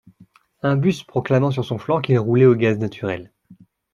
un bus proclamant sur son flanc qu’il roulait au gaz naturel